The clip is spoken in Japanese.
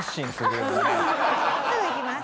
すぐ行きます。